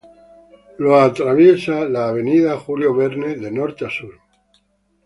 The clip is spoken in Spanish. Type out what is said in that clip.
Lo atraviesa la avenida Julio Verne de Norte a Sur.